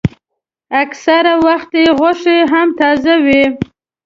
اکثره وخت یې غوښه هم تازه وي.